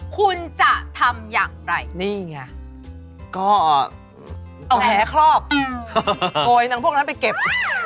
คุณจะทำอย่างไรนี่ไงก็เอาแผลครอบโกยนางพวกนั้นไปเก็บ